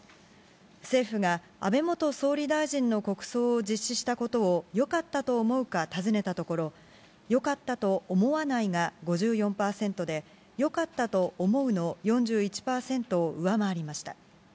政府が、安倍元総理大臣の国葬を実施したことをよかったと思うか尋ねたところ、よかったと思わないが５４％で、よかったと思うの４１％を上回りました。